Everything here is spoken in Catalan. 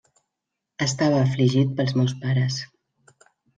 Estava afligit pels meus pares.